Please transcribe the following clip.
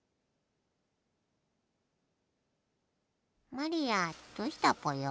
マリアどうしたぽよ？